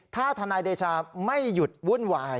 ถ้าทนายเดชาไม่หยุดวุ่นวาย